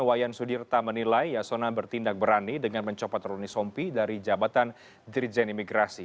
wayan sudirta menilai yasona bertindak berani dengan mencopot roni sompi dari jabatan dirijen imigrasi